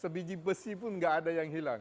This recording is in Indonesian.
sebiji besi pun nggak ada yang hilang